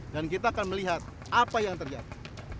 dan kita akan melihat apa yang terjadi